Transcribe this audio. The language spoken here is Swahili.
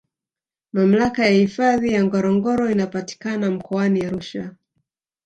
Mamlaka ya hifadhi ya Ngorongoro inapatikana mkoani Arusha